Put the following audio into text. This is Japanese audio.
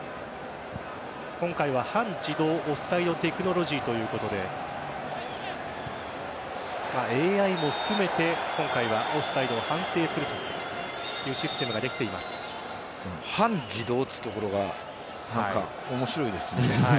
今回は半自動オフサイドテクノロジーということでＡＩも含めて今回はオフサイドを判定するという半自動というところが何か面白いですね。